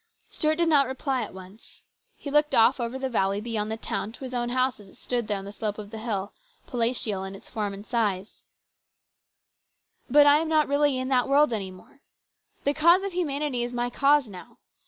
Stuart did not reply at once. He looked off over the valley beyond the town to his own house as it stood there on the slope of the hill, palatial in its form and size. DISAPPOINTMENT. 229 " But I am not really in that world any more. The cause of humanity is my cause now.